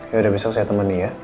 yaudah besok saya teman nih ya